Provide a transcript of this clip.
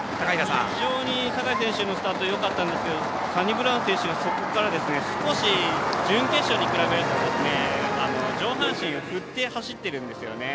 非常に坂井選手のスタートよかったんですけどサニブラウン選手が、そこから少し、準決勝に比べると上半身を振って走ってるんですよね。